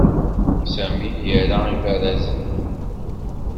Sami ira ibarazen.